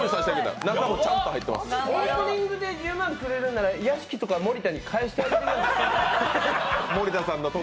オープニングで１０万くれるんだったら屋敷とか森田に返してやって。